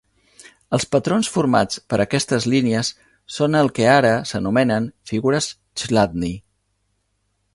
Els patrons formats per aquestes línies són el que ara s'anomenen "figures Chladni".